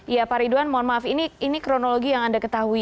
ya pak ridwan mohon maaf ini kronologi yang anda ketahui